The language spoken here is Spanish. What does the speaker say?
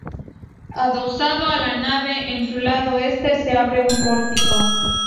Adosado a la nave, en su lado este, se abre un pórtico.